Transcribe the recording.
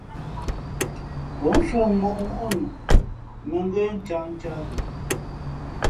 Ǒ nsōk ŋôʼŋó nu, mᾱ ngə́ ncahncǎh ghə̌.